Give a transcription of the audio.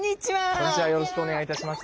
こんにちはよろしくお願いいたします。